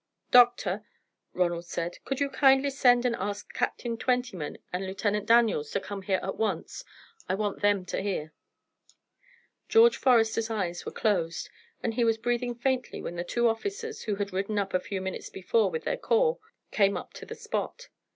"Doctor," Ronald said, "could you kindly send and ask Captain Twentyman and Lieutenant Daniels to come here at once? I want them to hear." George Forester's eyes were closed, and he was breathing faintly when the two officers, who had ridden up a few minutes before with their corps, came up to the spot.